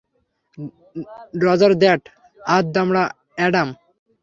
Roger that, আধ-দামড়া Adam.